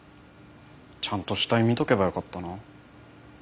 ちゃんと死体見とけばよかったな。